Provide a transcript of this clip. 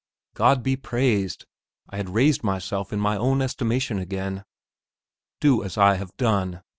God be praised, I had raised myself in my own estimation again! "Do as I have done!"